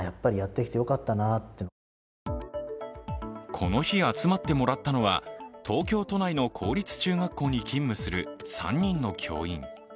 この日、集まってもらったのは東京都内の公立中学校に勤務する３人の教員。